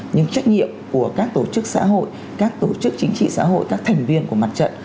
nhưng trách nhiệm của các tổ chức xã hội các tổ chức chính trị xã hội các thành viên của mặt trận